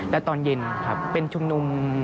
และตอนเย็นครับเป็นชุมนุม